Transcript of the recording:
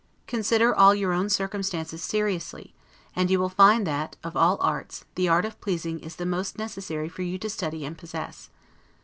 Consider all your own circumstances seriously; and you will find that, of all arts, the art of pleasing is the most necessary for you to study and possess.